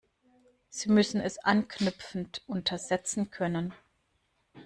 Sie müssen es anknüpfend untersetzen können.